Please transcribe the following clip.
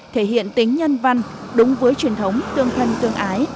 thể hiện tính nhân văn đúng với truyền thống tương thân tương ái